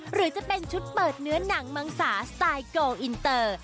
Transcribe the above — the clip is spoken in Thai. หรือจะเป็นชุดเปิดเนื้อหนังมังสาสไตล์โกลอินเตอร์